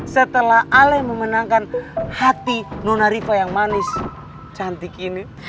setelah ale memenangkan hati nunariva yang manis cantik ini